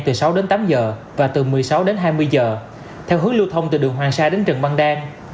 từ sáu đến tám giờ và từ một mươi sáu đến hai mươi giờ theo hướng lưu thông từ đường hoàng sa đến trần văn đan